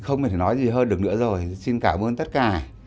không thể nói gì hơn được nữa rồi xin cảm ơn tất cả